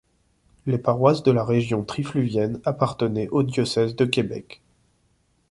Les paroisses de la région trifluvienne appartenaient au diocèse de Québec.